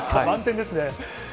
満点ですね。